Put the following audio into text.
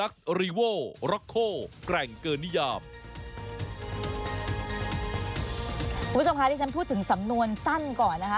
คุณผู้ชมคะที่ฉันพูดถึงสำนวนสั้นก่อนนะคะ